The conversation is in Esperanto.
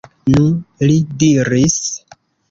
Nu, li diris.